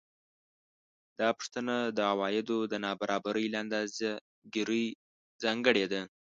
دا پوښتنه د عوایدو د نابرابرۍ له اندازه ګیرۍ ځانګړې ده